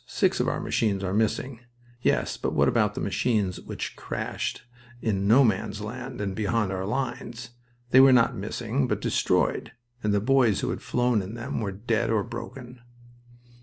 "Six of our machines are missing." Yes, but what about the machines which crashed in No Man's Land and behind our lines? They were not missing, but destroyed, and the boys who had flown in them were dead or broken.